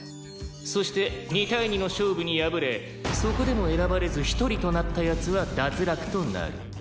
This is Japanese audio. そして２対２の勝負に敗れそこでも選ばれず１人となった奴は脱落となる。